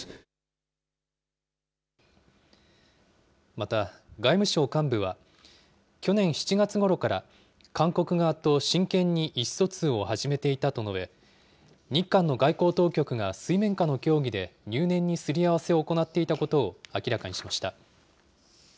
また外務省幹部は、去年７月ごろから、韓国側と真剣に意思疎通を始めていたと述べ、日韓の外交当局が水面下の協議で、入念にすりあわせを行っていたことを明らかにしました。